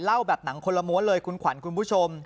เล่าแบบหนังคนละม้วนเลยคุณขวัญคุณผู้ชม